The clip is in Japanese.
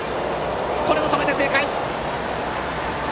これも止めて正解！